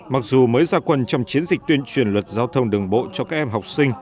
mặc dù mới ra quân trong chiến dịch tuyên truyền luật giao thông đường bộ cho các em học sinh